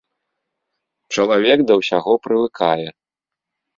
Чалавек да ўсяго прывыкае.